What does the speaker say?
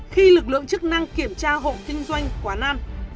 khi lực lượng chức năng kiểm tra hộ kinh doanh quán ăn